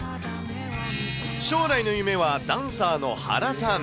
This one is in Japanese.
将来の夢はダンサーの原さん。